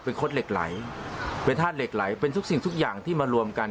เป็นคดเหล็กไหลเป็นธาตุเหล็กไหลเป็นทุกสิ่งทุกอย่างที่มารวมกัน